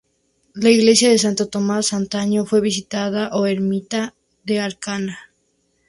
La iglesia de Santo Tomás antaño fue "Visita" o ermita de Alcalá.